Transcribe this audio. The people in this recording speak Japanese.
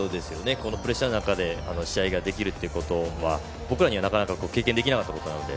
このプレッシャーの中で試合ができるということは僕らには、なかなか経験できなかったことなので。